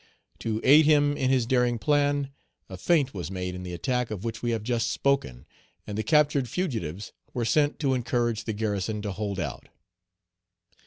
To aid him in his daring plan, a feint was made in the attack of which we have just spoken. And the captured fugitives were sent to encourage the garrison to hold out.